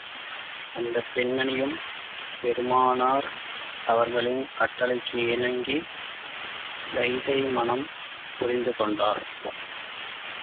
அந்தப் பெண்மணியும் பெருமானார் அவர்களின் கட்டளைக்கு இணங்கி, ஸைதை மணம் புரிந்து கொண்டார்.